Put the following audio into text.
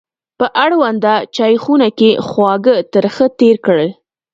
په اړونده چایخونه کې خواږه ترخه تېر کړل.